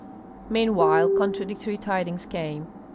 Meanwhile contradictory tidings came.